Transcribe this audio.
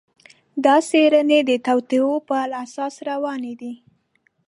دا څېړنې د توطیو پر اساس روانې دي.